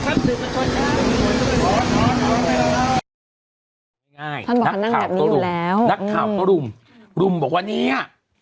ภาษาแบบนี้อยู่แล้วนักข่าวก็รุมรุมบอกว่าเนี้ย